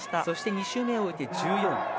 そして２周目を終えて１４位。